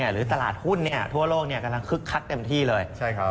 หรือตลาดหุ้นทั่วโลกกำลังคึกคักเต็มที่เลย